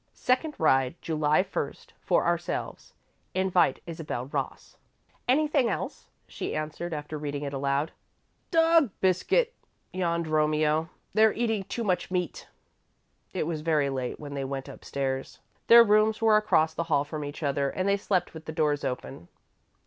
Second ride, July first, for ourselves. Invite Isabel Ross." "Anything else?" she asked, after reading it aloud. "Dog biscuit," yawned Romeo. "They're eating too much meat." It was very late when they went up stairs. Their rooms were across the hall from each other and they slept with the doors open.